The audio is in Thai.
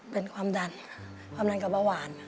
เป็นความดันความดันกับเบาหวาน